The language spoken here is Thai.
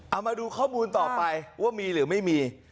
เอามาดูข้อมูลต่อไปว่ามีหรือไม่มี